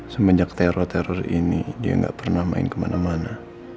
semenjak teror teror ini dia nggak pernah main kemana mana